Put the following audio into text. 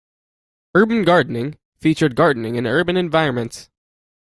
"Urban Gardening" featured gardening in urban environments.